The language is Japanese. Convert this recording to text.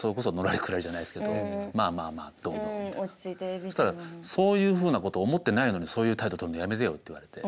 そしたら「そういうふうなこと思ってないのにそういう態度とるのやめてよ」って言われて。